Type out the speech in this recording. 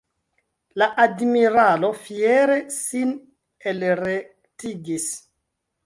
La admiralo fiere sin elrektigis.